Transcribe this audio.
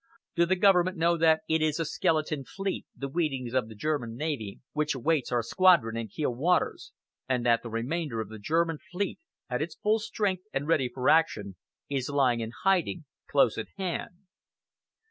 Do the Government know that it is a skeleton fleet, the weedings of the German navy, which awaits our squadron in Kiel waters, and that the remainder of the German fleet, at its full strength and ready for action, is lying in hiding close at hand?